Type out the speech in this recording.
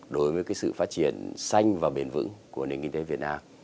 đối với sự phát triển xanh và bền vững của nền kinh tế việt nam